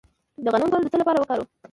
د غنم ګل د څه لپاره وکاروم؟